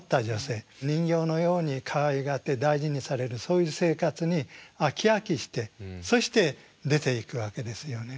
人形のようにかわいがって大事にされるそういう生活に飽き飽きしてそして出ていくわけですよね。